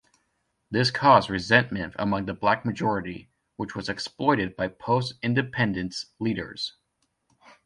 This caused resentment among the Black majority, which was exploited by post-Independence leaders.